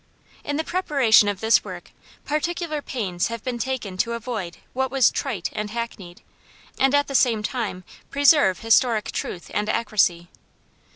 In the preparation of this work particular pains have been taken to avoid what was trite and hackneyed, and at the same time preserve historic truth and accuracy.